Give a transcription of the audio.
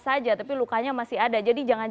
saja tapi lukanya masih ada jadi jangan